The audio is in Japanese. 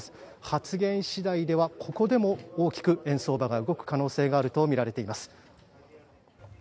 発言次第ではここでも大きく円相場が動く可能性があるとみられています。